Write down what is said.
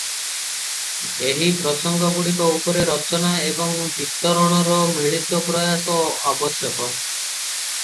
ଏହି ପ୍ରସଙ୍ଗଗୁଡ଼ିକ ଉପରେ ରଚନା ଏବଂ ବିତରଣର ମିଳିତ ପ୍ରୟାସ ଆବଶ୍ୟକ ।